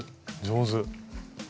上手。